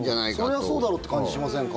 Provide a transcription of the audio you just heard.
そりゃそうだろうって感じしませんか？